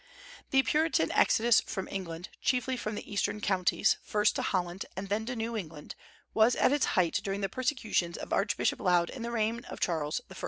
The Puritan exodus from England, chiefly from the eastern counties, first to Holland, and then to New England, was at its height during the persecutions of Archbishop Laud in the reign of Charles I.